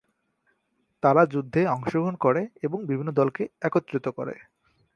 তারা যুদ্ধে অংশগ্রহণ করে এবং বিভিন্ন দলকে একত্রিত করে।